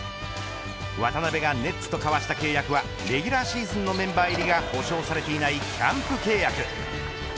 渡辺がネッツと交わした契約はレギュラーシーズンのメンバー入りが保証されていないキャンプ契約。